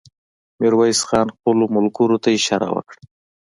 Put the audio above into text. ميرويس خان خپلو ملګرو ته اشاره وکړه.